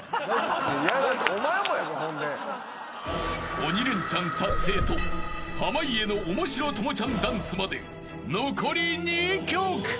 ［鬼レンチャン達成と濱家の面白朋ちゃんダンスまで残り２曲］